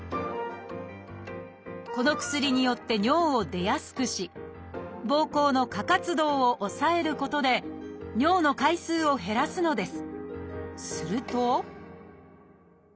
この薬によって尿を出やすくしぼうこうの過活動を抑えることで尿の回数を減らすのです。